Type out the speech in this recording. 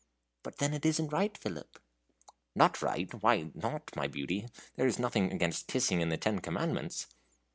"But then it isn't right, Philip." "Not right? why not, my beauty? there is nothing against kissing in the ten commandments."